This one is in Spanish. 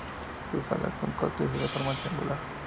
Sus alas son cortas y de forma triangular.